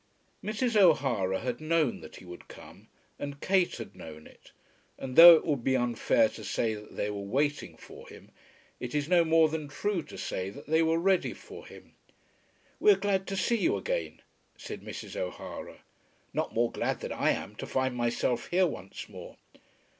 Mrs. O'Hara had known that he would come, and Kate had known it; and, though it would be unfair to say that they were waiting for him, it is no more than true to say that they were ready for him. "We are so glad to see you again," said Mrs. O'Hara. "Not more glad than I am to find myself here once more."